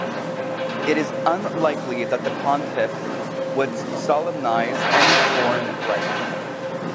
It is unlikely that the pontiffs would solemnize any foreign rites.